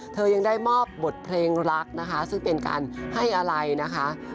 ยังได้มอบบทเพลงรักนะคะซึ่งเป็นการให้อะไรนะคะ